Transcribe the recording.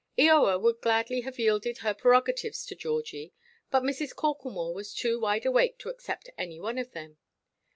Eoa would gladly have yielded her prerogatives to Georgie, but Mrs. Corklemore was too wide awake to accept any one of them.